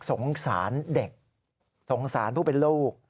สงสารเด็กสงสารผู้เป็นลูก